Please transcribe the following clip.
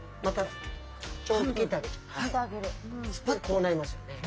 こうなりますよね。